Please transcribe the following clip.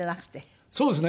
そうですね。